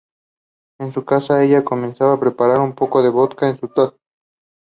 Selection.